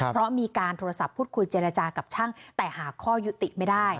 เพราะมีการโทรศัพท์พูดคุยเจรจากับช่างแต่หาข้อยุติไม่ได้